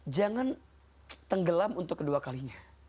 jangan tenggelam untuk kedua kalinya